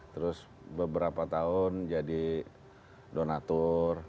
terus beberapa tahun jadi donatur